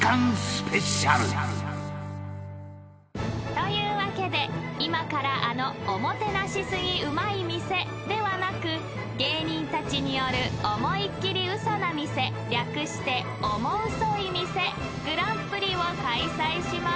［というわけで今からあのオモてなしすぎウマい店ではなく芸人たちによるオモいっきりウソな店略してオモウソい店ＧＰを開催します］